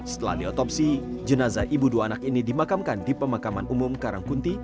setelah diotopsi jenazah ibu dua anak ini dimakamkan di pemakaman umum karangkunti